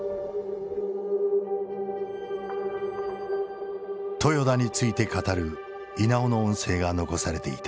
豊田について語る稲尾の音声が残されていた。